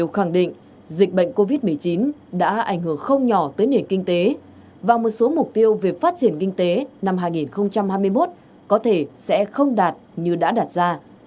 khẳng định dịch bệnh covid một mươi chín đã ảnh hưởng không nhỏ tới nền kinh tế và một số mục tiêu về phát triển kinh tế năm hai nghìn hai mươi một có thể sẽ không đạt như đã đặt ra